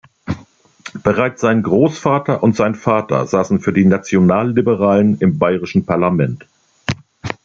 Bereits sein Großvater und sein Vater saßen für die Nationalliberalen im bayerischen Parlament.